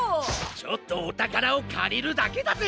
ちょっとおたからをかりるだけだぜ！